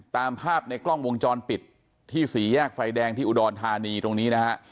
ตามภาพในกล้องวงจรปิดที่สี่แยกไฟแดงที่อุดรธานีตรงนี้นะฮะ